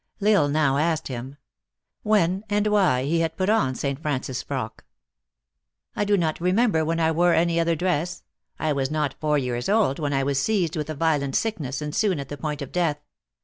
L Isle now asked him, " When and why he had put on St. Francis frock ?"" I do not remember when I wore any other dress. I was not four years old when I was seized with a violent sickness, and, soon at the point of death.